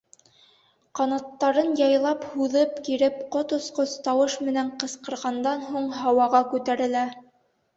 Ҡанаттарын яйлап һуҙып-киреп, ҡот осҡос тауыш менән ҡысҡырғандан һуң, һауаға күтәрелә.